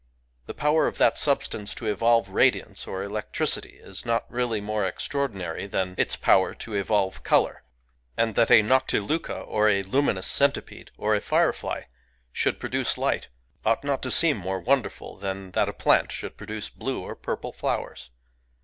The power of that substance to evolve radiance or elec tricity is not really more extraordinary than its power to evolve colour; and that a noctiluca, or a luminous centipede, or a firefly, should produce light, ought not to seem more wonderfiil than that a plant should produce blue or purple flowers.